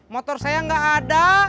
motor saya enggak ada